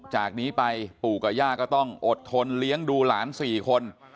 จากนี้ไปปู่กับย่าก็ต้องอดทนเลี้ยงดูหลาน๔คน